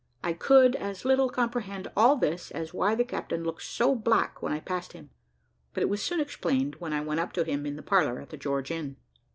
I could as little comprehend all this as why the captain looked so black when I passed him; but it was soon explained when I went up to him in the parlour at the George Inn.